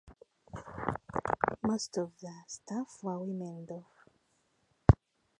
Most of the staff were women though.